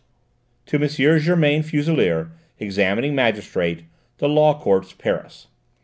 "To M. Germain Fuselier, Examining Magistrate, The Law Courts, Paris.